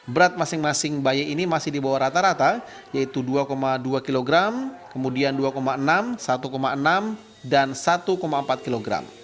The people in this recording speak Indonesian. berat masing masing bayi ini masih di bawah rata rata yaitu dua dua kg kemudian dua enam satu enam dan satu empat kg